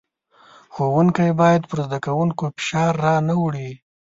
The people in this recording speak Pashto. ښوونکی بايد پر زدکوونکو فشار را نۀ وړي.